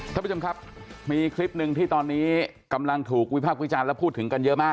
ท่านผู้ชมครับมีคลิปหนึ่งที่ตอนนี้กำลังถูกวิพากษ์วิจารณ์และพูดถึงกันเยอะมาก